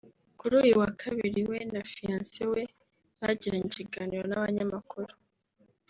kuri uyu wa Kabiri we na fiyanse we bagiranye ikiganiro n’abanyamakuru